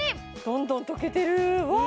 どんどん溶けてるうわ！